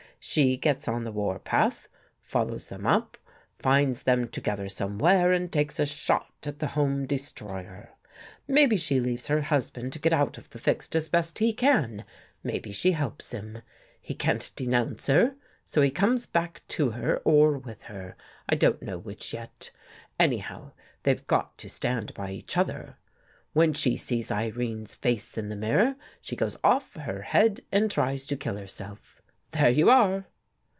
She gets on the warpath; follows them up. Finds them together somewhere and takes a shot at the home destroyer. Maybe she leaves her husband to get out of the fix as best he can — maybe she helps him. He can't denounce her, so he comes back to her or with her, I don't know which yet. Any how, they've got to stand by each other. When she sees Irene's face in the mirror, she goes off her head and tries to kill herself. There you are